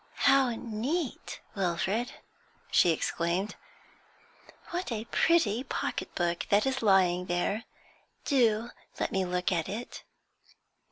'How neat, Wilfrid!' she exclaimed. 'What a pretty pocket book that is lying there. Do let me look at it.'